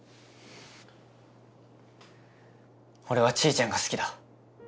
俺はちーちゃんが好きだ。